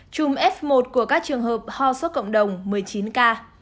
chùm f một của các trường hợp ho suốt cộng đồng một mươi chín ca